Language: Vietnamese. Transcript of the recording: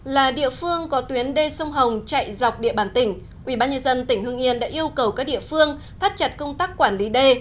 là địa phương có tuyến đê sông hồng chạy dọc địa bàn tỉnh quỹ ban nhân dân tỉnh hương yên đã yêu cầu các địa phương thắt chặt công tác quản lý đê